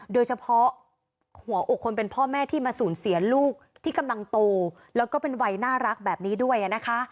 โดยเฉพาะหัวอกคนเป็นพ่อแม่ที่มาสูญเสียลูกที่กำลังโตแล้วก็เป็นวัยน่ารักแบบนี้ด้วยนะคะ